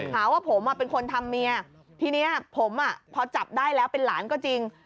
หาว่าผมเป็นคนทำเมียทีนี้ผมพอจับได้แล้วเป็นหลานก็จริง